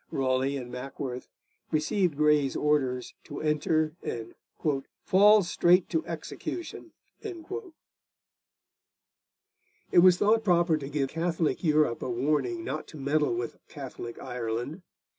Raleigh and Mackworth received Grey's orders to enter and 'fall straight to execution.' It was thought proper to give Catholic Europe a warning not to meddle with Catholic Ireland.